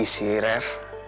ya bisa jadi sih ref